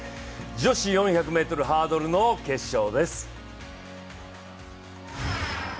女子４００ｍハードルの決勝です。